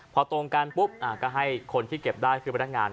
พอตรงกันปุ๊บก็ให้คนที่เก็บได้คือพนักงาน